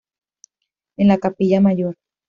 En la Capilla Mayor.